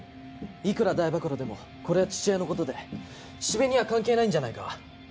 いくら大暴露でもこれは父親の事で四部には関係ないんじゃないか？